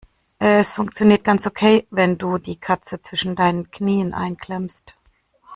Es funktioniert ganz okay, wenn du die Katze zwischen deinen Knien einklemmst.